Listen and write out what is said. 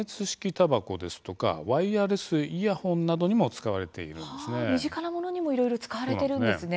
たばこですとかワイヤレスイヤホンなどにも身近なものにもいろいろ使われているんですね。